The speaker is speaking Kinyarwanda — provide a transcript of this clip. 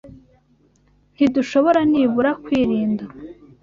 Ntidushobora nibura kwirinda?